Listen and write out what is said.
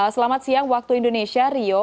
selamat siang waktu indonesia rio